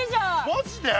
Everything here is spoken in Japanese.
マジで？